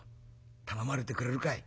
頼まれてくれるかい？」。